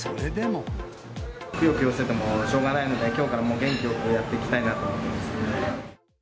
くよくよしててもしょうがないので、きょうからもう元気よくやっていきたいと思っています。